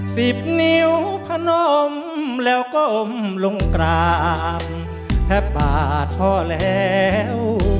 สิบนิ้วพนมแล้วก้มลงกราบแทบปากพอแล้ว